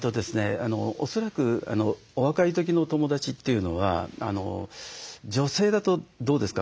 恐らくお若い時の友だちというのは女性だとどうですか？